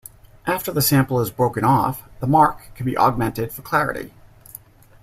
After the sample is broken off, the mark can be augmented for clarity.